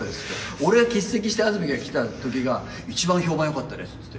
俺が欠席して安住が来たときが一番評判よかったですって。